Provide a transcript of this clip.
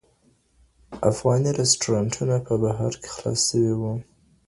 افغاني رستورانتونه په بهر کي خلاص سوي وو.